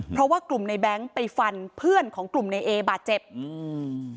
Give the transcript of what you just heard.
เพราะว่ากลุ่มในแบงค์ไปฟันเพื่อนของกลุ่มในเอบาดเจ็บอืม